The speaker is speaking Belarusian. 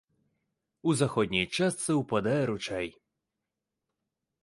У заходняй частцы ўпадае ручай.